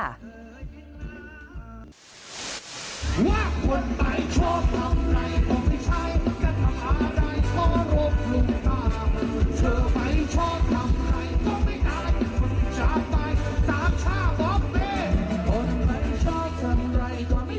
เพราะรักเทศสามพันปุ๊บชีวิตกันแม่งฉันเคยอยู่มา